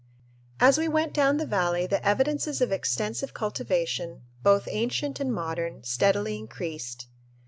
As we went down the valley the evidences of extensive cultivation, both ancient and modern, steadily increased.